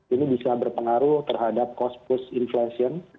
ini bisa berpengaruh terhadap cost push inflation